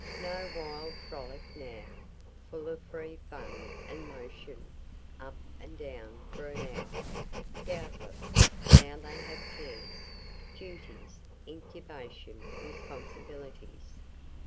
No wild frolic now, full of free fun and motion, up and down for an hour. Doubtless, now they have cares, duties, incubation responsibilities.